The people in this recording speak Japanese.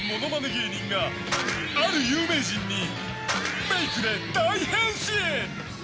芸人がある有名人にメイクで大変身。